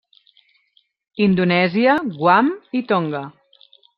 Indonèsia, Guam i Tonga.